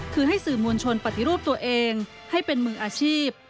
คือให้สื่อมวลชนปฏิรูปตัวเองให้เป็นมืออาชีพ